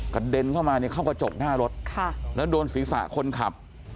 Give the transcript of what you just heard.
เด็นเข้ามาเนี่ยเข้ากระจกหน้ารถแล้วโดนศีรษะคนขับ